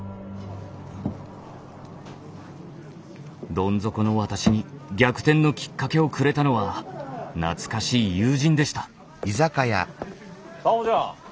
どん底の私に逆転のきっかけをくれたのは懐かしい友人でした。